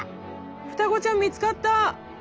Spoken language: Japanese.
双子ちゃん見つかった！